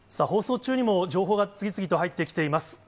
放送中にも情報が次々と入ってきています。